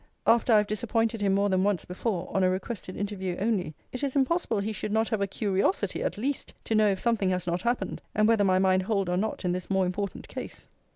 After I have disappointed him more than once before, on a requested interview only, it is impossible he should not have a curiosity at least, to know if something has not happened; and whether my mind hold or not in this more important case.